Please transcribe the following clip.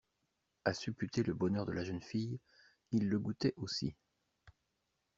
A supputer le bonheur de la jeune fille, il le goûtait aussi.